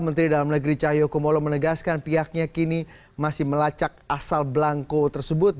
menteri dalam negeri cahyokumolo menegaskan pihaknya kini masih melacak asal belangko tersebut